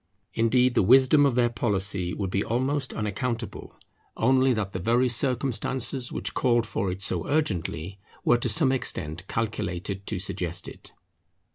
Indeed the wisdom of their policy would be almost unaccountable, only that the very circumstances which called for it so urgently, were to some extent calculated to suggest it.